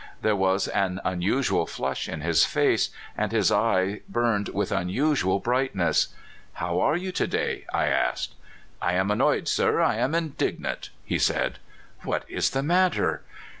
There was an unusual flush in his face, and his eye burned with unusual brightness. " How are you to day? " I asked. " I am annoyed, sir; I am indignant," he said. *' What is the matter?"